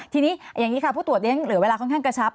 ทีนี้อย่างนี้ค่ะผู้ตรวจเรียนเหลือเวลาค่อนข้างกระชับ